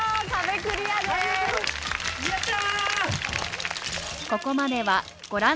やった！